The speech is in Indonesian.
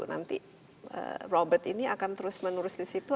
nanti robert ini akan terus menerus disitu